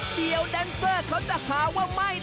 เดี๋ยวแดนเซอร์เขาจะหาว่าไม่นะ